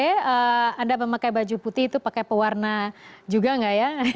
oke anda memakai baju putih itu pakai pewarna juga nggak ya